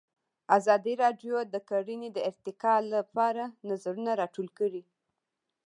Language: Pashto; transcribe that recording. ازادي راډیو د کرهنه د ارتقا لپاره نظرونه راټول کړي.